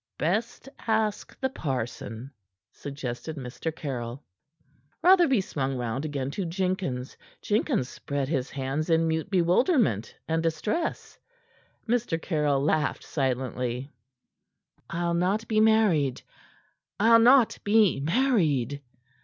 "Best ask the parson," suggested Mr. Caryll. Rotherby swung round again to Jenkins. Jenkins spread his hands in mute bewilderment and distress. Mr. Caryll laughed silently. "I'll not be married! I'll not be married!"